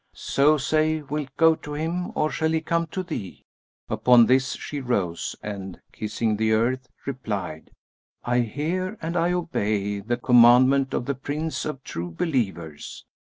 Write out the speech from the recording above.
So say, wilt go to him or shall he come to thee?" Upon this she rose and, kissing the earth, replied, "I hear and I obey the commandment of the Prince of True Believers!"